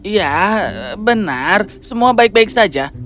ya benar semua baik baik saja